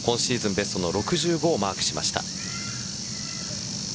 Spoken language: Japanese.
ベストの６５をマークしました。